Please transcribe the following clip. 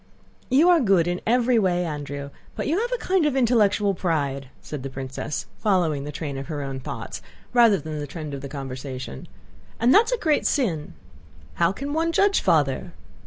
"You are good in every way, Andrew, but you have a kind of intellectual pride," said the princess, following the train of her own thoughts rather than the trend of the conversation—"and that's a great sin. How can one judge Father?